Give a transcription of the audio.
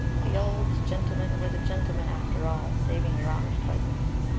The ould gentlemen were the gentlemen after all, saving your honour's presence.